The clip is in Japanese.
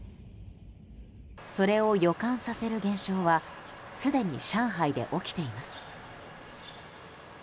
それを予感させる現象はすでに上海で起きています。